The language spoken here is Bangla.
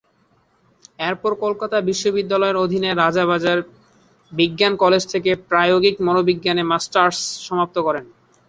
এরপর কলকাতা বিশ্ববিদ্যালয়ের অধীনে রাজাবাজার বিজ্ঞান কলেজ থেকে প্রায়োগিক মনোবিজ্ঞানে মাস্টার্স সমাপ্ত করেন।